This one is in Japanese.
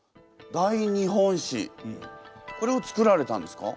「大日本史」これを作られたんですか？